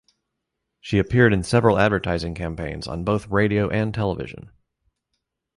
She appeared in several advertising campaigns on both radio and television.